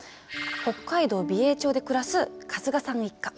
北海道美瑛町で暮らす春日さん一家。